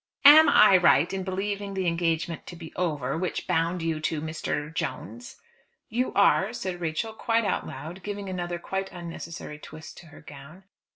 "Am I right in believing the engagement to be over which bound you to Mr. Jones?" "You are," said Rachel, quite out loud, giving another quite unnecessary twist to her gown.